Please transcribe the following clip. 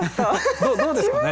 どうですかね？